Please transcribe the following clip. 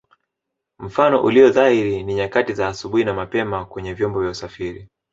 Mfano ulio dhahiri ni nyakati za asubuhi na mapema kwenye vyombo vya usafiri